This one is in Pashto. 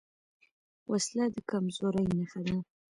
وسله د کمزورۍ نښه ده